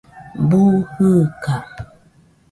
Bu jɨɨka